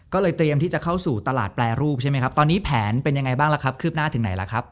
ก็เลยเตรียมที่จะเข้าสู่ตลาดแปรรูปใช่ไหมครับตอนนี้แผนเป็นยังไงบ้างล่ะครับคืบหน้าถึงไหนล่ะครับ